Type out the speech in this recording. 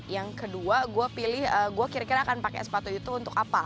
yang kedua gue pilih gue kira kira akan pakai sepatu itu untuk apa